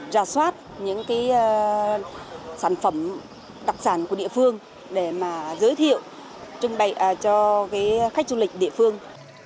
ra soát những sản phẩm đặc sản của địa phương để giới thiệu trưng bày cho khách du lịch địa phương